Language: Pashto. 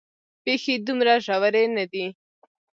پېښې دومره ژورې نه دي.